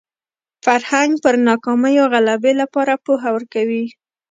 فرهنګ پر ناکامیو غلبې لپاره پوهه ورکوي